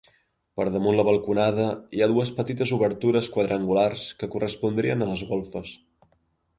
Per damunt la balconada hi ha dues petites obertures quadrangulars que correspondrien a les golfes.